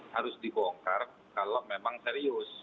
harus dibongkar kalau memang serius